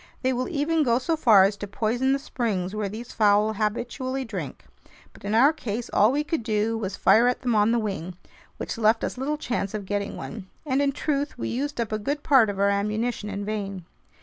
They will even go so far as to poison the springs where these fowl habitually drink. But in our case, all we could do was fire at them on the wing, which left us little chance of getting one. And in truth, we used up a good part of our ammunition in vain.